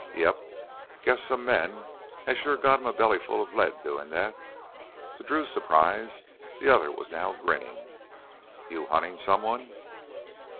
"Yep, guess some men has sure got 'em a bellyful of lead doin' that." To Drew's surprise the other was now grinning. "You huntin' someone?"